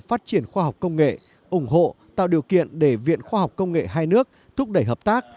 phát triển khoa học công nghệ ủng hộ tạo điều kiện để viện khoa học công nghệ hai nước thúc đẩy hợp tác